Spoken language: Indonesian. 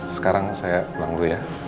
sekarang saya pulang dulu ya